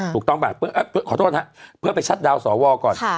ถูกต้องป่ะขอโทษครับเพื่อไปชัดดาวนสวก่อน